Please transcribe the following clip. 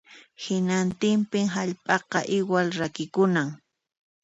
Hinantinpin hallp'aqa iwal rakikunan